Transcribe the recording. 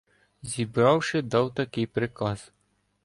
Зібравши, дав такий приказ: